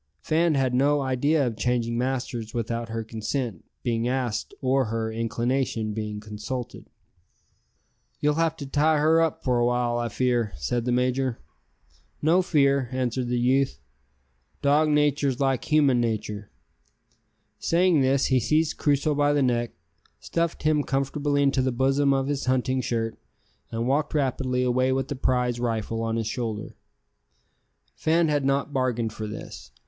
Fan had no idea of changing masters without her consent being asked or her inclination being consulted. "You'll have to tie her up for a while, I fear," said the major. "No fear," answered the youth. "Dog natur's like human natur'!" Saying this he seized Crusoe by the neck, stuffed him comfortably into the bosom of his hunting shirt, and walked rapidly away with the prize rifle on his shoulder. Fan had not bargained for this.